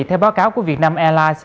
theo báo cáo của quý vị